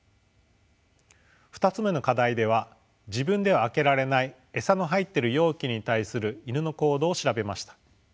２つ目の課題では自分では開けられない餌の入っている容器に対するイヌの行動を調べました。